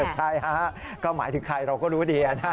ใช่ฮะก็หมายถึงใครเราก็รู้ดี